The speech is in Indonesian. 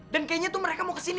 dan kayaknya tuh mereka mau kesini